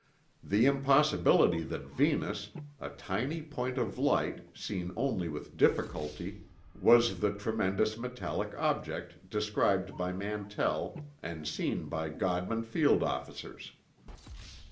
The impossibility that Venus—a tiny point of light, seen only with difficulty—was the tremendous metallic object described by Mantell and seen by Godman Field officers.